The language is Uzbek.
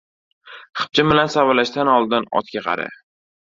• Xipchin bilan savalashdan oldin otga qara.